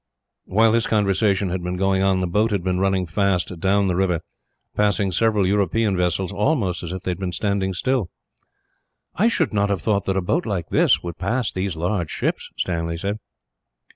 While this conversation had been going on, the boat had been running fast down the river, passing several European vessels almost as if they had been standing still. "I should not have thought that a boat like this would pass these large ships," Stanley said.